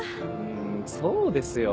そうですよ。